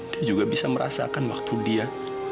dia juga bisa merasakan waktu dia